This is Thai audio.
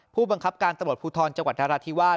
ผู้บังคับการตำรวจภูทรจังหวัดนราธิวาส